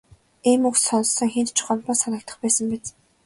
Ийм үг сонссон хэнд ч гомдмоор санагдах байсан биз.